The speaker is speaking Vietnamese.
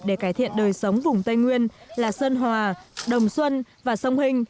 để cải thiện đời sống vùng tây nguyên là sơn hòa đồng xuân và sông hình